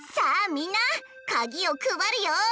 みんなカギをくばるよ！